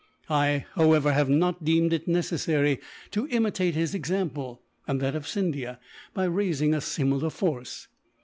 I, however, have not deemed it necessary to imitate his example, and that of Scindia, by raising a similar force.